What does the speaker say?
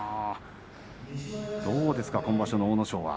どうですか今場所の阿武咲は？